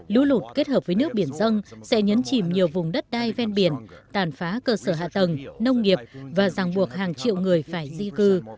lũ lụt kết hợp với nước biển dân sẽ nhấn chìm nhiều vùng đất đai ven biển tàn phá cơ sở hạ tầng nông nghiệp và giảng buộc hàng triệu người phải di cư